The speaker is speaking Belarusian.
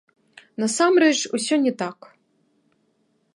Насамрэч, усё не так.